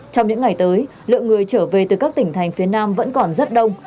trong những ngày tới lượng người trở về từ các tỉnh thành phía nam vẫn còn rất đông